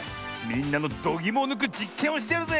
みんなのどぎもをぬくじっけんをしてやるぜ！